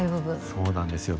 そうなんですよ。